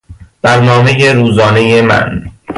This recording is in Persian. برنامهی روزانهی من